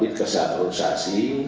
ini adalah kesehatan organisasi